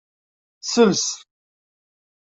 Sels.